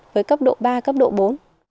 với cấp độ ba cấp độ bốn